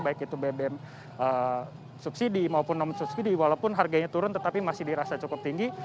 baik itu bbm subsidi maupun non subsidi walaupun harganya turun tetapi masih dirasa cukup tinggi